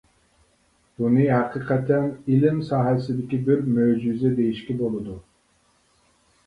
بۇنى ھەقىقەتەن ئىلىم ساھەسىدىكى بىر مۆجىزە دېيىشكە بولىدۇ.